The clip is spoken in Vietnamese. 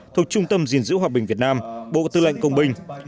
thuộc trung tâm dình dữ hòa bình việt nam bộ tư lệnh công bình